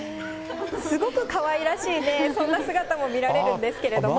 すごくかわいらしい、そんな姿も見られるんですけれども。